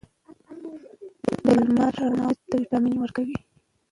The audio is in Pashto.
د لمر رڼا وجود ته ویټامین ورکوي.